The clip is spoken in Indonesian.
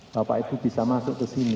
bapak ibu bisa masuk ke sini